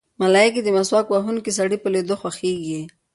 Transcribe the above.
ملایکې د مسواک وهونکي سړي په لیدو خوښېږي.